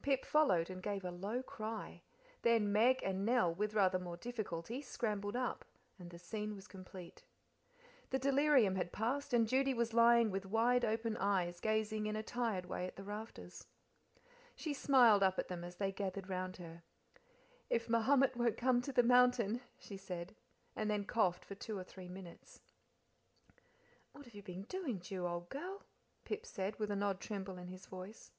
Pip followed, and gave a low cry; then Meg and Nell, with rather more difficulty, scrambled up, and the scene was complete. The delirium had passed, and Judy was lying with wide open eyes gazing in a tired way at the rafters. She smiled up at them as they gathered round her. "If Mahomet won't come to the mountain," she said, and then coughed for two or three minutes. "What have you been doing, Ju, old girl?" Pip said, with an odd tremble in his voice.